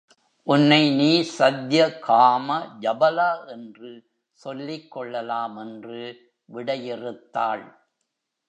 உன்னை நீ சத்யகாம ஜபலா என்று சொல்லிக் கொள்ளலாம் என்று விடையிறுத்தாள்.